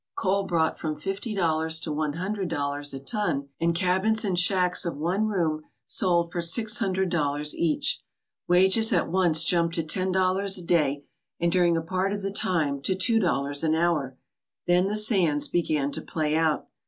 Coal brought from fifty dollars to one hun dred dollars a ton, and cabins and shacks of one room sold for six hundred dollars each. Wages at once jumped to ten dollars a day, and during a part of the time to two dollars an hour. Then the sands began to play out.